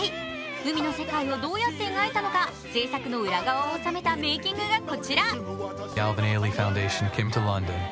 海の世界をどうやって描いたのか制作の裏側を収めたメーキングがこちら。